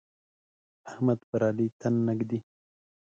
احمد پر علي تن نه ږدي.